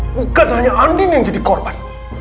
bukan hanya andin yang jadi korban